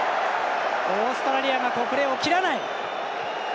オーストラリアがプレーを切らない。